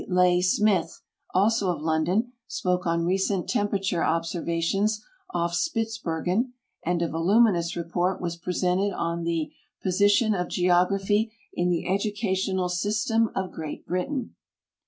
Leigh Smith, also of London, spoke on Recent Temperature Observations off Spitz bergen, and a voluminous report was presented on The Position of Geography in the Educational System of Great Britain.